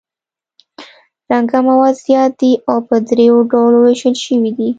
رنګه مواد زیات دي او په دریو ډولو ویشل شوي دي.